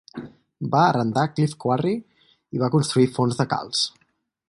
Va arrendar Cliff Quarry i va construir forns de calç.